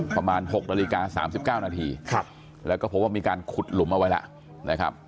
ประมาณ๖นาฬิกา๓๙นาทีแล้วก็พบว่ามีการขุดหลุมเอาไว้แล้วนะครับ